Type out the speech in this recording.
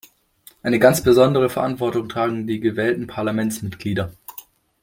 Eine ganz besondere Verantwortung tragen die gewählten Parlamentsmitglieder.